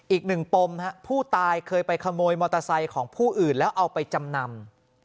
ปมผู้ตายเคยไปขโมยมอเตอร์ไซค์ของผู้อื่นแล้วเอาไปจำนำ